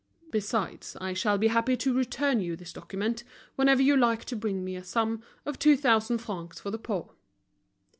Besides, I shall be happy to return you this document whenever you like to bring me a sum of two thousand francs for the poor."